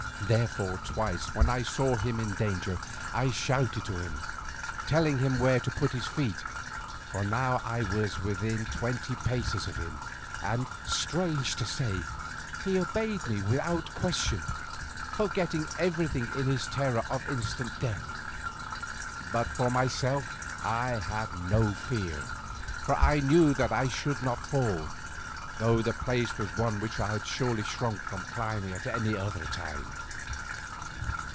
Therefore twice when I saw him in danger I shouted to him, telling him where to put his feet, for now I was within twenty paces of him, and, strange to say, he obeyed me without question, forgetting everything in his terror of instant death. But for myself I had no fear, for I knew that I should not fall, though the place was one which I had surely shrunk from climbing at any other time.